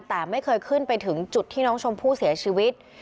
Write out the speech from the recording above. แต่ไม่เคยขึ้นไปถึงจุดที่น้องชมพู่เสียชีวิต